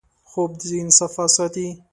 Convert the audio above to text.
خوب د ذهن صفا ساتي